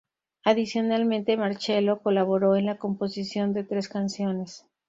Adicionalmente, Marcello colaboró en la composición de tres canciones.